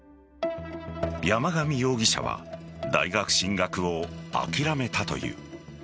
山上容疑者は大学進学を諦めたという。